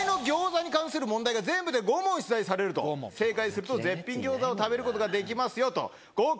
これから話題の餃子に関する問題が全部で５問出題されると、正解すると絶品餃子を食べることができますよと。